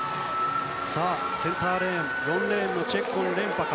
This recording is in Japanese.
センターレーン４レーンのチェッコン連覇か。